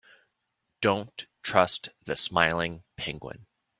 Don't trust the smiling penguin.